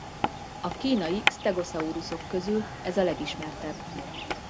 A kínai stegosaurusok közül ez a legismertebb.